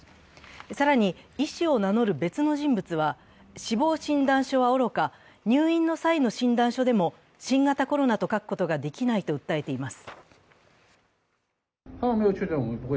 更に医師を名乗る別の人物は、死亡診断書はおろか入院の際の診断書でも新型コロナと書くことができないと訴えています。